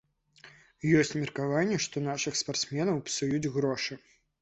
Ёсць меркаванне, што нашых спартсменаў псуюць грошы.